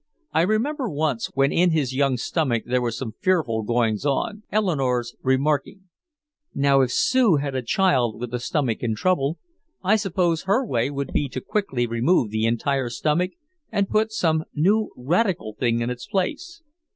I remember once, when in his young stomach there were some fearful goings on, Eleanore's remarking: "Now if Sue had a child with a stomach in trouble, I suppose her way would be to quickly remove the entire stomach and put some new radical thing in its place."